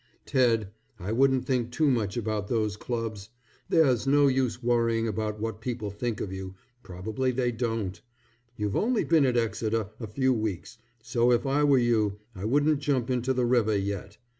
Ted, I wouldn't think too much about those clubs. There's no use worrying about what people think of you; probably they don't. You've only been at Exeter a few weeks, so if I were you I wouldn't jump into the river yet.